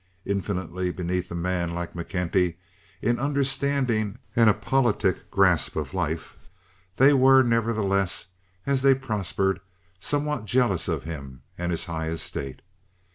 Infinitely beneath a man like McKenty in understanding and a politic grasp of life, they were, nevertheless, as they prospered, somewhat jealous of him and his high estate.